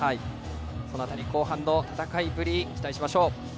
この辺り、後半の戦いぶり期待しましょう。